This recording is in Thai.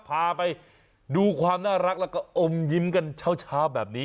พาไปดูความน่ารักแล้วก็อมยิ้มกันเช้าแบบนี้